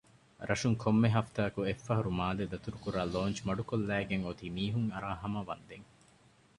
ރަށުން ކޮންމެ ހަފްތާއަކު އެއްފަހަރު މާލެ ދަތުރު ކުރާ ލޯންޗު މަޑުކޮށްލައިގެންއޮތީ މީހުންއަރާ ހަމަވަންދެން